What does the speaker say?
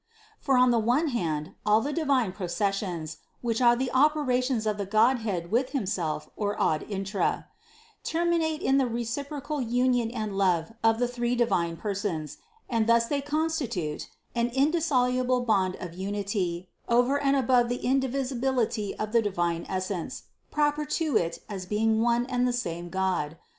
For on the one hand all the divine processions (which are the operations of the Godhead with Himself or ad infra), terminate in the re ciprocal union and love of the three divine Persons, and thus they constitute an indissoluble bond of unity over and above the indivisibility of the divine Essence, proper to it as being one and the same God.